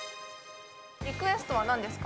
リクエストは何ですか？